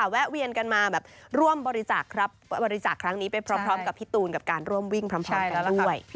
แวะเวียนกันมาแบบร่วมบริจาคครั้งนี้ไปพร้อมกับพี่ตูนกับการร่วมวิ่งพร้อมกันด้วย